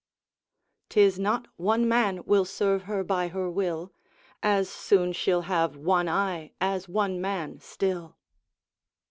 'Tis not one man will serve her by her will, As soon she'll have one eye as one man still.